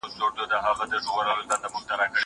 مرسته وکړه!؟